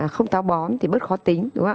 không táo bóm thì bớt khó tính